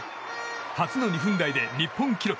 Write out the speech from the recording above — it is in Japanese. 初の２分台で日本記録。